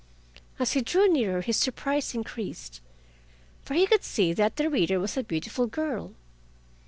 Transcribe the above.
As he drew nearer his surprise increased, for he could see that the reader was a beautiful girl.